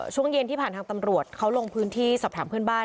ช่วงเย็นที่ผ่านทางตำรวจเขาลงพื้นที่สอบถามเพื่อนบ้าน